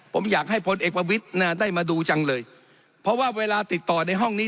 ผมอยากให้พลเอกประวิทย์ได้มาดูจังเลยเพราะว่าเวลาติดต่อในห้องนี้